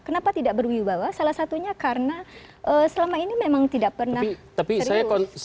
kenapa tidak berwibawa salah satunya karena selama ini memang tidak pernah serius